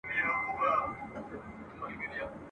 زه د عطر په څېر خپور سم ته مي نه سې بویولای !.